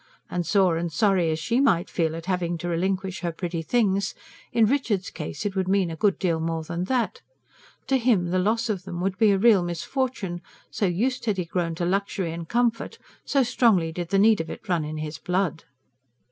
And sore and sorry as SHE might feel at having to relinquish her pretty things, in Richard's case it would mean a good deal more than that. To him the loss of them would be a real misfortune, so used had he grown to luxury and comfort, so strongly did the need of it run in his blood.